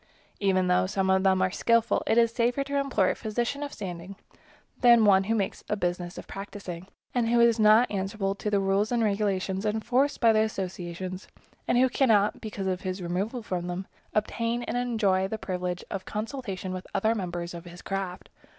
Even though some of them are skillful, it is safer to employ a physician of standing than to take one who makes a business of practicing, and who is not answerable to the rules and regulations enforced by the associations, and who cannot, because of his removal from them, obtain and enjoy the privilege of consultation with other members of his craft.